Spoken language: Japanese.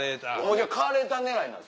カーレーター狙いなんですね？